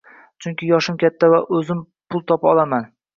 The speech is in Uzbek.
chunki yoshim katta va o‘zim pul topa olaman.